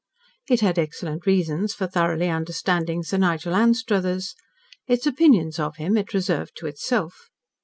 It had excellent reasons for thoroughly understanding Sir Nigel Anstruthers. Its opinions of him it reserved to itself.